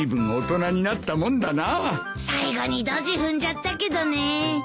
最後にどじ踏んじゃったけどね。